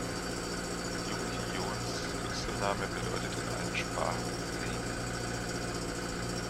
Jung Ji-hoons Künstlername bedeutet in allen Sprachen "Regen".